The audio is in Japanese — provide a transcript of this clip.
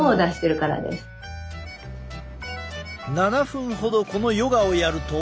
７分ほどこのヨガをやると。